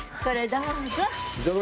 どうぞ。